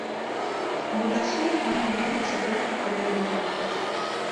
Бо дасюль там будуюцца толькі тры аб'екты.